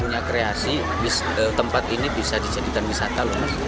jadi tempat ini bisa dijadikan wisata lho